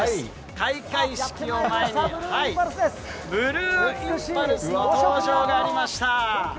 開会式を前に、ブルーインパルスの登場がありました。